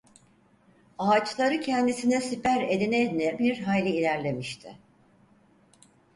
Ağaçları kendisine siper edine edine bir hayli ilerlemişti.